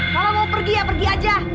kalau mau pergi ya pergi aja